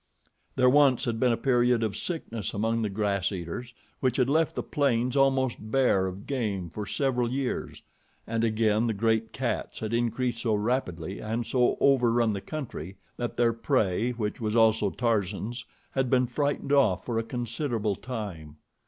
There once had been a period of sickness among the grass eaters which had left the plains almost bare of game for several years, and again the great cats had increased so rapidly and so overrun the country that their prey, which was also Tarzan's, had been frightened off for a considerable time.